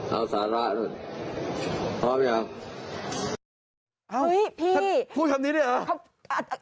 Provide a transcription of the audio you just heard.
เอาสาระหน่อยพร้อมหรือยัง